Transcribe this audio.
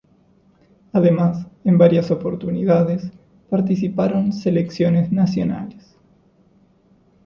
Además, en varias oportunidades, participaron selecciones nacionales.